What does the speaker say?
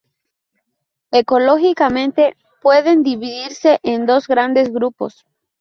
Ecológicamente pueden dividirse en dos grandes grupos.